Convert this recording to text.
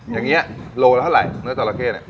อย่างนี้โลละเท่าไหร่เนื้อจราเข้เนี่ย